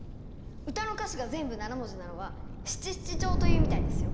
歌の歌詞が全部７文字なのは「七七調」というみたいですよ。